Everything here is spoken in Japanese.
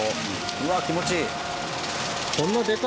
うわっ気持ちいい。